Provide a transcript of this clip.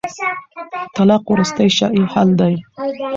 طلاق وروستی شرعي حل دی